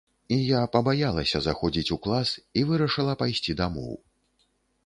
І я пабаялася заходзіць у клас, і вырашыла пайсці дамоў.